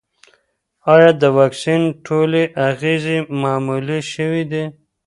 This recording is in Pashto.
ایا د واکسین ټولې اغېزې معلومې شوې دي؟